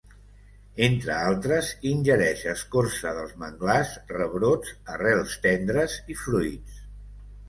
Entre altres, ingereix escorça dels manglars, rebrots, arrels tendres i fruits.